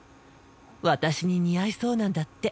私に似合いそうなんだって。